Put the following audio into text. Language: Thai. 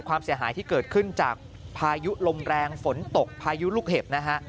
ความเสียหายที่เกิดขึ้นจากพายุลมแรงฝนตกพายุลูกเห็บนะฮะ